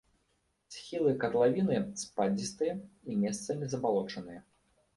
Схілы катлавіны спадзістыя і месцамі забалочаныя.